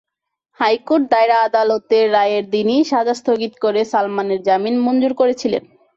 High court দায়রা আদালতের রায়ের দিনই সাজা স্থগিত রেখে সালমানের জামিন মঞ্জুর করেছিলেন।